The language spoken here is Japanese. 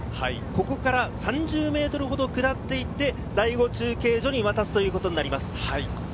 ここから３０ｍほど下っていって、第５中継所に渡すということになります。